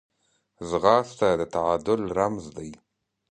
ځغاسته د تعادل رمز دی